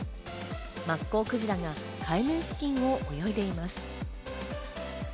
マッコウクジラが海面付近を泳いでいます。